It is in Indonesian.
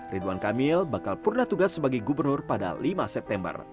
ridwan kamil bakal purna tugas sebagai gubernur pada lima september